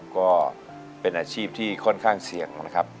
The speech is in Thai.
ก็เป็นอาชีพที่ค่อนข้างเสี่ยงนะครับ